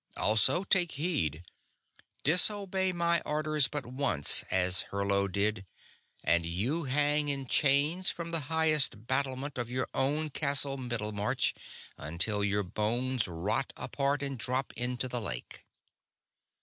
Also, take heed: disobey my orders but once, as Hurlo did, and you hang in chains from the highest battlement of your own Castle Middlemarch until your bones rot apart and drop into the lake."